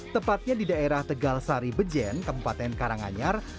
tepatnya di daerah tegal sari bejen kabupaten karanganyar